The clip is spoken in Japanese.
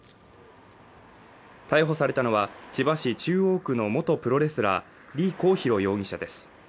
逮捕されたのは千葉市中央区の元プロレスラーリ・コウヒロ容疑者です